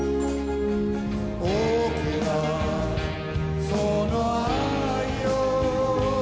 「大きなその愛よ」